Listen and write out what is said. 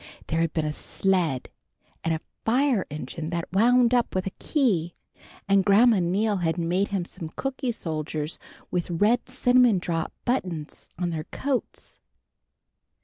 There had been a sled, and a fire engine that wound up with a key, and Grandma Neal had made him some cooky soldiers with red cinnamon drop buttons on their coats.